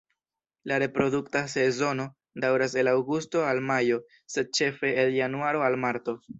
La reprodukta sezono daŭras el aŭgusto al majo, sed ĉefe el januaro al marto.